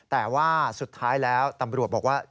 แต่ว่าสุดท้ายแล้วตำรวจบอกว่า